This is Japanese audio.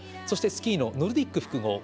そして、スキーのノルディック複合。